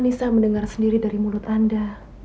anissa mendengar sendiri dari mulut anda